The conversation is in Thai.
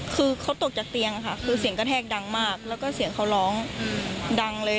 คือเขาตกจากเตียงค่ะคือเสียงกระแทกดังมากแล้วก็เสียงเขาร้องดังเลย